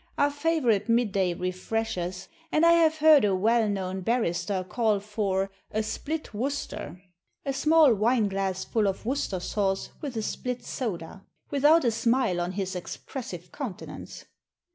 are favourite midday "refreshers"; and I have heard a well known barrister call for "a split Worcester" (a small wine glassful of Worcester sauce with a split soda), without a smile on his expressive countenance.